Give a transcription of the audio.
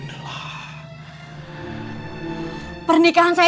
tidak mungkin kita